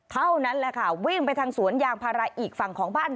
เท่านั้นแหละค่ะวิ่งไปทางสวนยางพาราอีกฝั่งของบ้าน